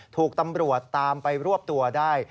ถูกตำรวจตามไปรวบตัวได้